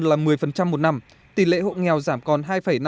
nông dân là một mươi một năm tỉ lệ hộ nghèo giảm còn hai năm mươi năm